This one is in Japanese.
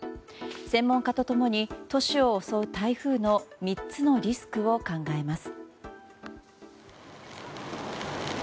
専門家と共に都市を襲う台風の３つのリスクを考えます。